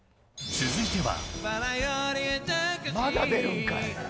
続いては。